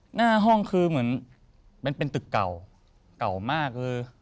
หน้าห้องคือเหมือนมันเป็นตึกเก่าเก่ามากคือ